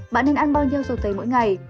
bạn nên ăn bao nhiêu rau tây mỗi ngày